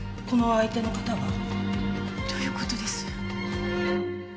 この相手の方は？どういう事です？